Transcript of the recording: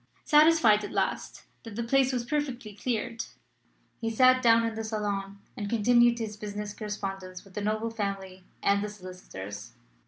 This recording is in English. Satisfied at last that the place was perfectly cleared, he sat down in the salon and continued his business correspondence with the noble family and the solicitors.